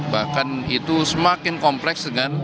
bahkan itu semakin kompleks dengan